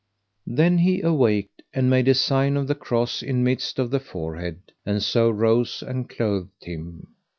Then he awaked and made a sign of the cross in midst of the forehead, and so rose and clothed him.